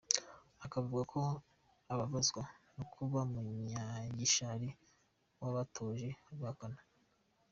Akavuga ko ababazwa no kuba Munyagishari wabatoje, abihakana.